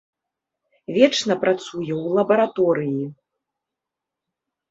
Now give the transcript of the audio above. Вечна працуе ў лабараторыі.